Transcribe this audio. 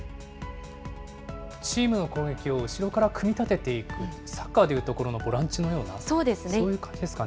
チームの攻撃を後ろから組み立てていく、サッカーでいうところのボランチのような、そういう感じですね。